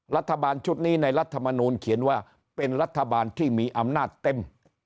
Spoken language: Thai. รัฐบาลชุดนี้ในรัฐมนูลเขียนว่าเป็นรัฐบาลที่มีอำนาจเต็ม